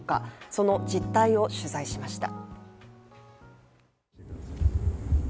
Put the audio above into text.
その実態を取材しました。